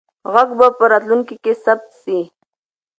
غږ به په راتلونکي کې ثبت سي.